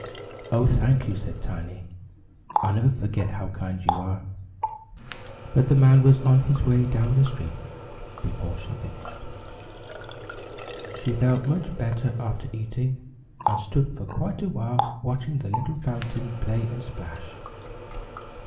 "Oh, thank you," said Tiny. "I'll never forget how kind you are." But the man was on his way down the street before she finished. She felt much better after eating and stood for quite a while watching the little fountain play and splash.